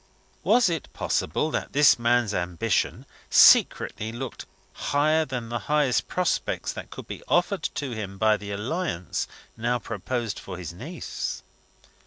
Was it possible that this man's ambition secretly looked higher than the highest prospects that could be offered to him by the alliance now proposed for his niece?